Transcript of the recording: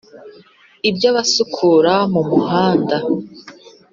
iby’abasukura mumuhanda